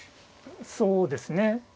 そうですね。